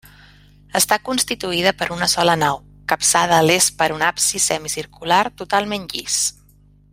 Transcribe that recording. Està constituïda per una sola nau, capçada a l’est per un absis semicircular totalment llis.